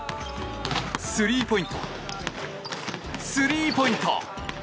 スリーポイントスリーポイント！